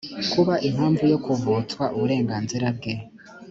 kuba impamvu yo kuvutswa uburenganzira bwe